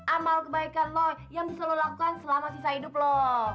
amal kebaikan lo yang bisa lo lakukan selama sisa hidup lo